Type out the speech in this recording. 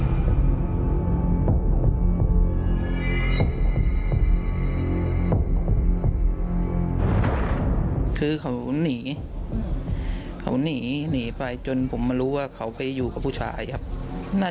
และเมื่ออย่างง้อเพื่อกรอบไปสาย่อน